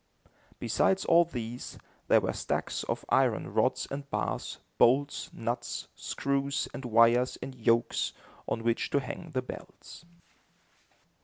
Besides all these, there were stacks of iron rods and bars, bolts, nuts, screws, and wires and yokes on which to hang the bells.